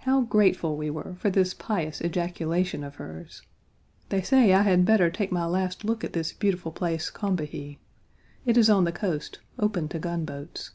How grateful we were for this pious ejaculation of hers! They say I had better take my last look at this beautiful place, Combahee. It is on the coast, open to gunboats.